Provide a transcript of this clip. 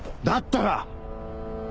だったら！